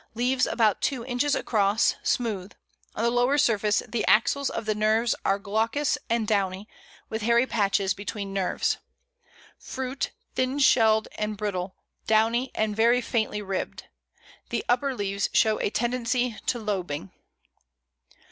Leaves about two inches across, smooth; on the lower surface the axils of the nerves are glaucous and downy, with hairy patches between nerves. Fruit thin shelled and brittle, downy, and very faintly ribbed. The upper leaves show a tendency to lobing.